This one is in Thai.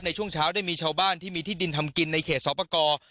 ในช่วงเช้าได้มีชาวบ้านที่มีที่ดินทำกินในเขตสอบประกอบ